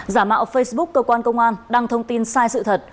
giả mạo facebook cơ quan công an đăng thông tin sai sự thật